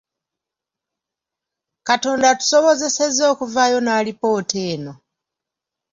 Katonda atusobozesezza okuvaayo n’alipoota eno.